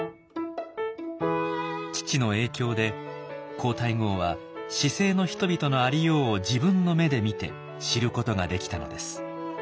父の影響で皇太后は市井の人々のありようを自分の目で見て知ることができたのです。